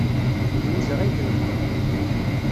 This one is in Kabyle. D Lwiza ay inehhṛen.